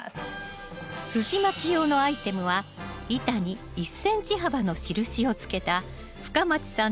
すじまき用のアイテムは板に１ｃｍ幅の印をつけた深町さん